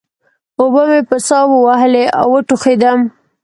اوبه مې په سا ووهلې؛ وټوخېدم.